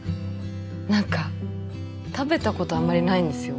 何か食べたことあんまりないんですよ。